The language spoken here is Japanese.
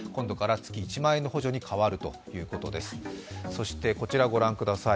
そしてこちらご覧ください。